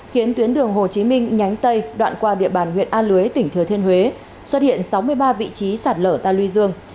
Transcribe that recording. khiến tuyến đường hồ chí minh nhánh tây đoạn qua địa bàn huyện a lưới tỉnh thừa thiên huế xuất hiện sáu mươi ba vị trí sạt lở ta luy dương